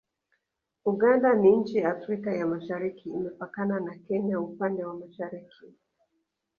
Uganda ni nchi ya Afrika ya Mashariki Imepakana na Kenya upande wa mashariki